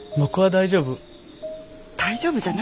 大丈夫じゃない。